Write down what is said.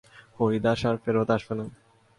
হরিদাস আর ফেরত আসবে না।